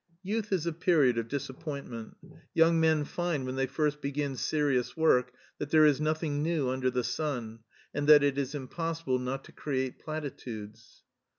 Youth is a period of disappointment. Young men find when they first begin serious work that there is nothing new under the sun and that it is impossible not to create platitudes.